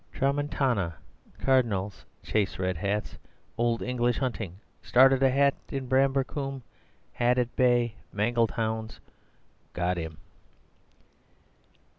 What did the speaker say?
tramontana... cardinals chase red hats... old English hunting... started a hat in Bramber Combe... hat at bay... mangled hounds... Got him!"